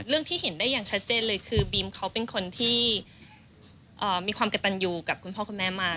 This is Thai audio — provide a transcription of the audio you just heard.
ที่เห็นได้อย่างชัดเจนเลยคือบีมเขาเป็นคนที่มีความกระตันอยู่กับคุณพ่อคุณแม่มา